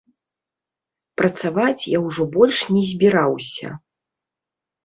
Працаваць я ўжо больш не збіраўся.